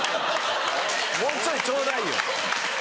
もうちょいちょうだいよ。